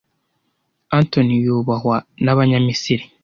Anthony yubahwa nabanyamisiri.